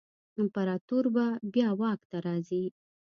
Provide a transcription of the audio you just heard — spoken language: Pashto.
امپراتور به بیا واک ته راځي.